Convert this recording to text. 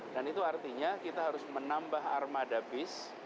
dan itu artinya kita harus menambah armada bis